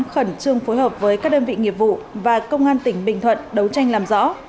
khẩn trương phối hợp với các đơn vị nghiệp vụ và công an tỉnh bình thuận đấu tranh làm rõ